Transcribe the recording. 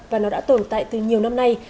và nó đã tồn tại từ nhiều năm nay